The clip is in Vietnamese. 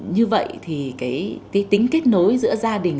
như vậy thì cái tính kết nối giữa gia đình